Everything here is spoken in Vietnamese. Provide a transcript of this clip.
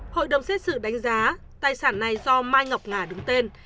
hội đồng xét xử đánh giá tài sản này do mai ngọc ngả đứng tên